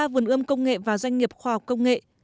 bốn mươi ba vườn ươm công nghệ và doanh nghiệp khoa học công nghệ